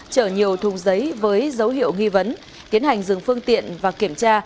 chở nhiều thùng giấy với dấu hiệu nghi vấn tiến hành dừng phương tiện và kiểm tra